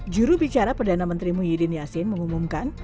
juru bicara perdana menteri muhyiddin yasin mengumumkan